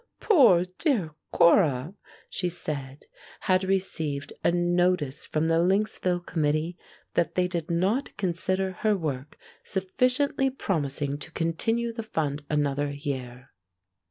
"Poor dear Cora," she said, had received a notice from the Lynxville committee that they did not consider her work sufficiently promising to continue the fund another year.